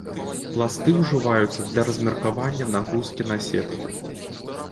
Пласты ўжываюцца для размеркавання нагрузкі на сетку.